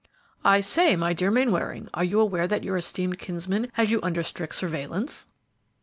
"I say, my dear Mainwaring, are you aware that your esteemed kinsman has you under strict surveillance?"